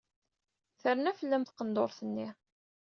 Terna fell-am taqendurt-nni.